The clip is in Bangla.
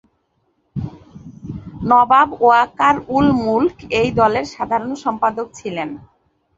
নবাব ওয়াকার উল মুলক এই দলের সাধারণ সম্পাদক ছিলেন।